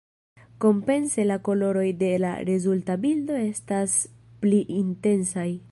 Kompense la koloroj de la rezulta bildo estas pli intensaj.